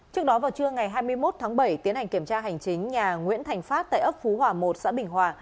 trước đó vào trưa ngày hai mươi một tháng bảy tiến hành kiểm tra hành chính nhà nguyễn thành phát tại ấp phú hòa một xã bình hòa